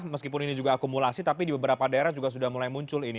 meskipun ini juga akumulasi tapi di beberapa daerah juga sudah mulai muncul ini